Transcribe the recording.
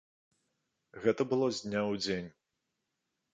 Гэта было з дня ў дзень.